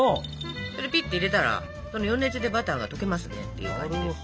ピッて入れたらその余熱でバターが溶けますねっていう感じです。